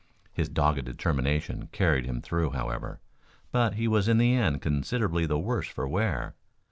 His dogged determination carried him through, however, but he was in the end considerably the worse for wear.